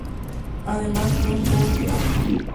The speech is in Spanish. Además, John Boone de E!